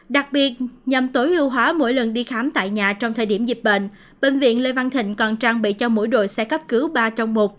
đặc biệt nhằm tối ưu hóa mỗi lần đi khám tại nhà trong thời điểm dịch bệnh bệnh viện lê văn thịnh còn trang bị cho mỗi đội xe cấp cứu ba trong một